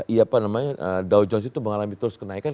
iya apa namanya dow jones itu mengalami terus kenaikan